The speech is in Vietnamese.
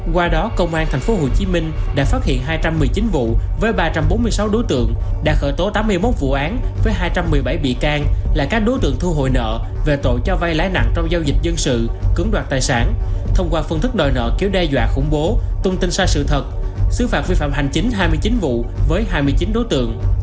qua đó công an tp hcm đã phát hiện hai trăm một mươi chín vụ với ba trăm bốn mươi sáu đối tượng đã khởi tố tám mươi một vụ án với hai trăm một mươi bảy bị can là các đối tượng thu hồi nợ về tội cho vây lãi nặng trong giao dịch dân sự cướng đoạt tài sản thông qua phương thức đòi nợ kiểu đe dọa khủng bố tung tin sai sự thật xứ phạm vi phạm hành chính hai mươi chín vụ với hai mươi chín đối tượng